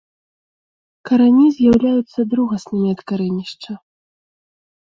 Карані з'яўляюцца другаснымі ад карэнішча.